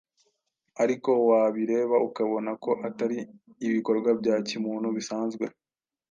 ariko wabireba ukabona ko atari ibikorwa bya kimuntu bisanzwe.